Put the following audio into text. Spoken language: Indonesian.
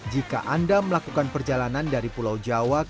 jika anda melakukan perjalanan dari pulau jawa ke pantai minang rua